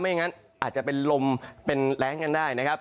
อย่างนั้นอาจจะเป็นลมเป็นแรงกันได้นะครับ